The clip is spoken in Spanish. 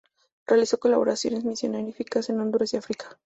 Realizó colaboraciones misioneras en Honduras y África.